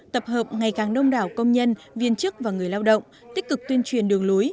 tập hợp ngày càng đông đảo công nhân viên chức và người lao động tích cực tuyên truyền đường lối